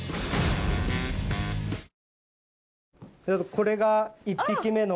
これが１匹目の。